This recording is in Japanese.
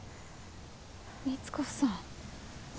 三津子さん